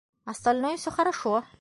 Остальное всё хорошо.